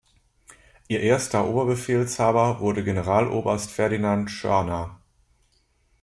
Ihr erster Oberbefehlshaber wurde Generaloberst Ferdinand Schörner.